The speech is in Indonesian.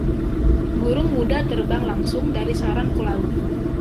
Burung muda terbang langsung dari sarang ke laut.